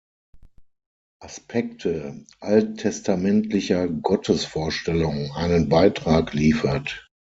Aspekte alttestamentlicher Gottesvorstellung“ einen Beitrag liefert.